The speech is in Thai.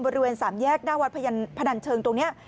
บริเวณสามแยกหน้าวัดพนันเชิงตรงนี้